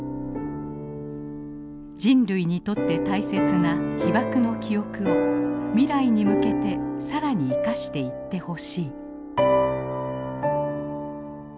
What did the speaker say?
「人類にとって大切な被爆の記憶を未来に向けて更に生かしていってほしい」。